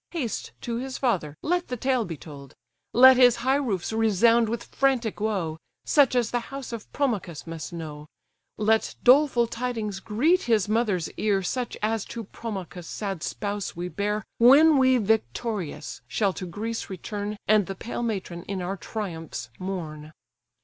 Haste, to his father let the tale be told: Let his high roofs resound with frantic woe, Such as the house of Promachus must know; Let doleful tidings greet his mother's ear, Such as to Promachus' sad spouse we bear, When we victorious shall to Greece return, And the pale matron in our triumphs mourn."